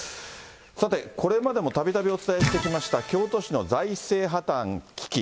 さて、これまでもたびたびお伝えしてきました、京都市の財政破綻危機。